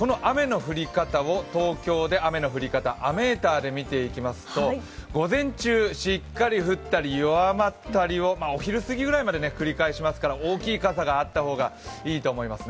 東京での雨の降り方、雨ーターで見ていきますと、午前中、しっかり降ったり弱まったりをお昼過ぎまで繰り返しますから大きい傘があった方がいいと思います。